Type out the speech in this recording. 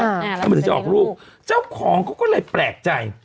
อ่าแล้วมันจะออกลูกเจ้าของเขาก็เลยแปลกใจ